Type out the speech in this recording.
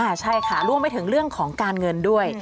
ใช่ค่ะรวมไปถึงเรื่องของการเงินด้วย